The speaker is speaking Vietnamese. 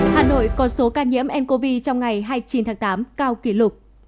hà nội có số ca nhiễm ncov trong ngày hai mươi chín tháng tám cao kỷ lục